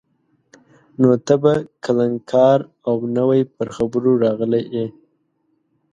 نو ته به کلنکار او نوی پر خبرو راغلی یې.